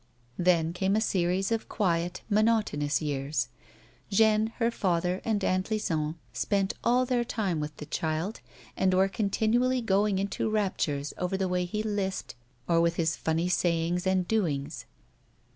Then came a series of quiet, monotonous years. Jeanne, her father, and Aunt Lison spent all their time with the child, and were continually going into raptures over the way he lisped, or over his funny sayings and doings.